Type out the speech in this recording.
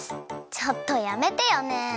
ちょっとやめてよね！